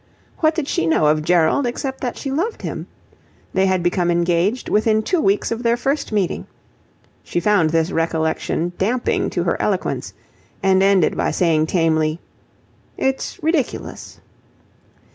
What did she know of Gerald except that she loved him? They had become engaged within two weeks of their first meeting. She found this recollection damping to her eloquence, and ended by saying tamely: "It's ridiculous."